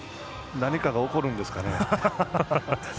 何が起きるんですかね。